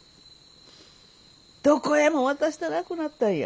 どこへも渡したなくなったんや。